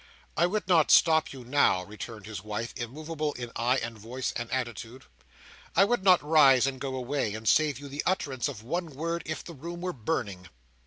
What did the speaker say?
"I would not stop you now," returned his wife, immoveable in eye, and voice, and attitude; "I would not rise and go away, and save you the utterance of one word, if the room were burning."